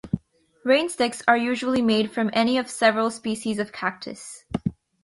Rainsticks are usually made from any of several species of cactus.